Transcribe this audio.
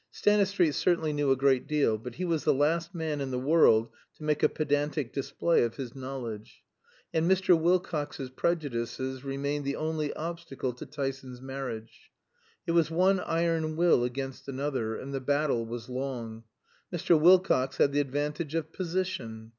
Stanistreet certainly knew a great deal; but he was the last man in the world to make a pedantic display of his knowledge; and Mr. Wilcox's prejudices remained the only obstacle to Tyson's marriage. It was one iron will against another, and the battle was long. Mr. Wilcox had the advantage of position.